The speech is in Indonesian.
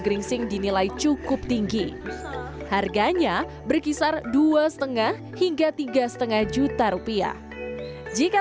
geringsing dinilai cukup tinggi harganya berkisar dua setengah hingga tiga setengah juta rupiah jika